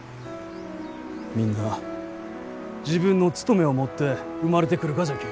みんな自分の務めを持って生まれてくるがじゃき。